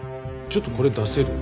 ちょっとこれ出せる？